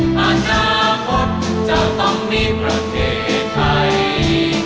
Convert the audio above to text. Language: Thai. อนาคตจะต้องมีประเทศไทย